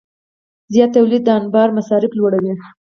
زیات تولید د انبار مصارف لوړوي.